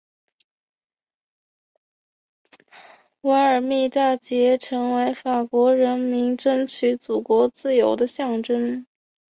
瓦尔密大捷成为法国人民争取祖国自由的象征。